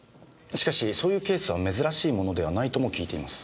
しかしそういうケースは珍しいものではないとも聞いています。